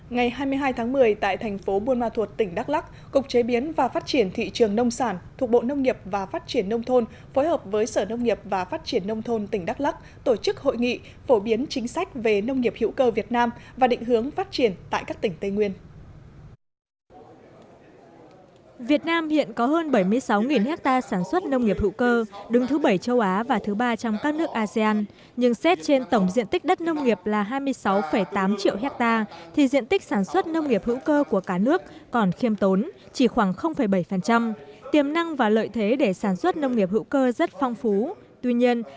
ngày hai mươi hai tháng một mươi tại thành phố buôn ma thuột tỉnh đắk lắc cục chế biến và phát triển thị trường nông sản thục bộ nông nghiệp và phát triển nông thôn phối hợp với sở nông nghiệp và phát triển nông thôn tỉnh đắk lắc tổ chức hội nghị phổ biến chính sách về nông nghiệp hữu cơ việt nam và định hướng phát triển tại các tỉnh tây nguyên